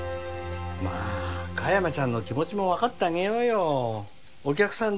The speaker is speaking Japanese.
まあ香山ちゃんの気持ちも分かってあげようよお客さん